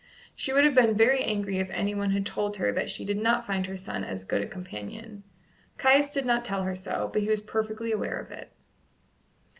She would have been very angry if anyone had told her that she did not find her son as good a companion. Caius did not tell her so, but he was perfectly aware of it.